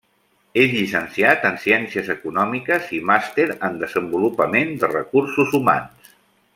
És llicenciat en Ciències Econòmiques i Màster en Desenvolupament de Recursos Humans.